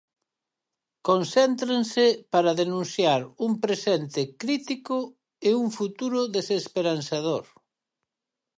Concéntranse para denunciar un presente crítico e un futuro desesperanzador.